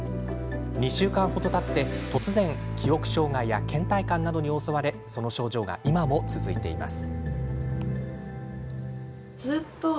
２週間程たって、突然記憶障害やけん怠感などに襲われその症状が今も続いています。